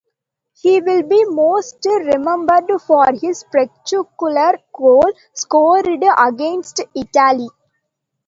He will be most remembered for his spectacular goal scored against Italy.